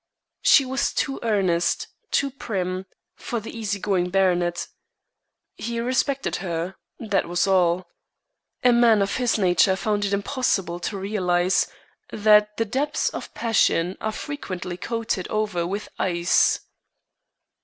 She was too earnest, too prim, for the easy going baronet. He respected her, that was all. A man of his nature found it impossible to realize that the depths of passion are frequently coated over with ice.